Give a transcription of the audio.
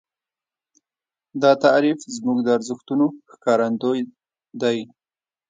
دا تعریف زموږ د ارزښتونو ښکارندوی دی.